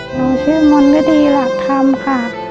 หนูชื่อมนฤดีหลักธรรมค่ะ